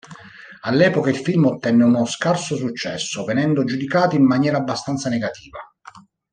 All'epoca il film ottenne uno scarso successo, venendo giudicato in maniera abbastanza negativa.